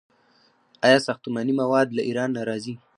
آیا ساختماني مواد له ایران نه راځي؟